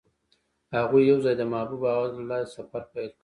هغوی یوځای د محبوب اواز له لارې سفر پیل کړ.